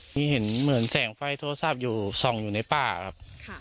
มีเห็นเหมือนแสงไฟโทรศัพท์อยู่ส่องอยู่ในป้าครับ